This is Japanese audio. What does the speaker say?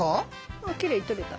あきれいに撮れた。